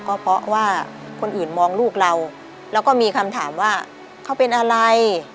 ก็เพราะว่าคนอื่นมองลูกเราแล้วก็มีคำถามว่าเขาเป็นอะไร